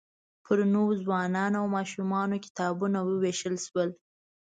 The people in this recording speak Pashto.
پر نوو ځوانانو او ماشومانو کتابونه ووېشل شول.